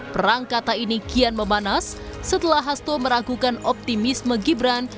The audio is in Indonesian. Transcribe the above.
perang kata ini kian memanas setelah hasto meragukan optimisme gibran